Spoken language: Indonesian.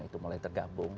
itu mulai tergabung